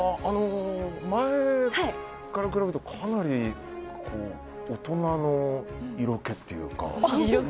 前から比べるとかなり大人の色気っていうか。